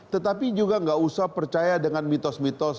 tetapi juga nggak usah percaya dengan mitos mitos